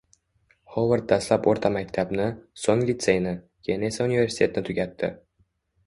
Hovard dastlab oʻrta maktabni, soʻng litseyni, keyin esa universitetni tugatdi